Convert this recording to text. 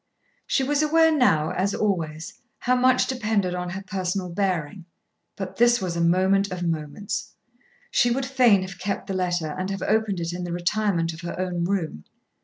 She was aware now, as always, how much depended on her personal bearing; but this was a moment of moments! She would fain have kept the letter, and have opened it in the retirement of her own room.